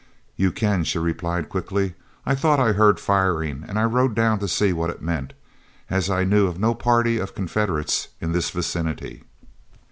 "You can," she replied, quickly. "I thought I heard firing and I rode down to see what it meant, as I knew of no party of Confederates in the vicinity."